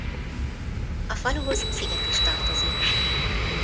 A faluhoz sziget is tartozik.